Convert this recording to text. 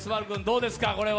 君、どうですか。